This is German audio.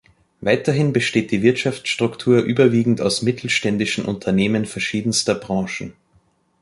Weiterhin besteht die Wirtschaftsstruktur überwiegend aus mittelständischen Unternehmen verschiedenster Branchen.